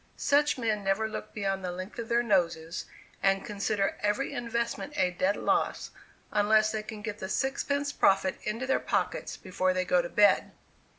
Such men never look beyond the length of their noses, and consider every investment a dead loss unless they can get the sixpence profit into their pockets before they go to bed.